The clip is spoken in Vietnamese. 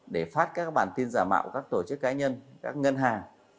để phát các bản tin giả mạo các tổ chức cá nhân các ngân hàng